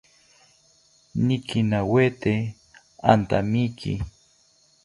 Nikinawete antamiki